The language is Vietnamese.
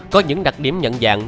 có những đặc điểm nhận dạng